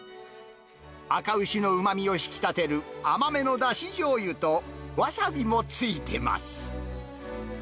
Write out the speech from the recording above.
赤牛のうまみを引き立てる甘めのだしじょうゆとわさびもついてます。